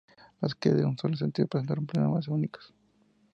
Las calles de un solo sentido presentaron problemas únicos.